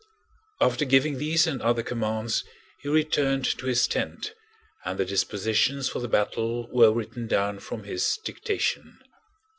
After giving these and other commands he returned to his tent, and the dispositions for the battle were written down from his dictation.